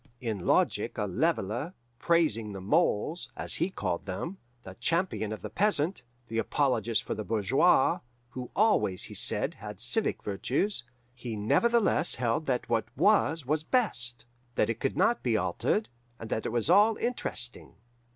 In logic a leveller, praising the moles, as he called them, the champion of the peasant, the apologist for the bourgeois who always, he said, had civic virtues he nevertheless held that what was was best, that it could not be altered, and that it was all interesting.